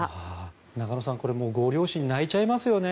中野さんご両親、泣いちゃいますよね。